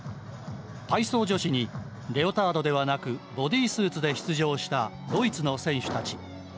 体操女子にレオタードでなくボディースーツで出場したドイツの選手たち。